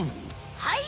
はい！